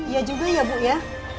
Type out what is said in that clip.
iya juga ya bu ya